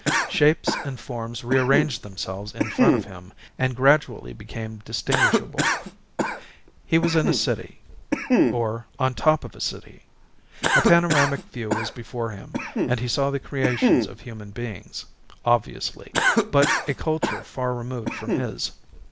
Shapes and forms rearranged themselves in front of him and gradually became distinguishable. He was in a city, or on top of a city. A panoramic view was before him and he saw the creations of human beings, obviously, but a culture far removed from his.